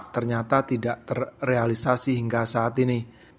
ternyata tidak terrealisasi hingga saat ini